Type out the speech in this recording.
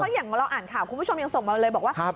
อย่างเราอ่านข่าวคุณผู้ชมยังส่งมาเลยบอกว่า